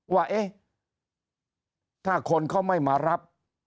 ว่าเอ๊ะถ้าคนเขาไม่มารับ